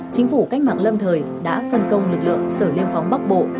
chính phủ cách mạng lâm thời đã phân công lực lượng sở liêm phóng bắc bộ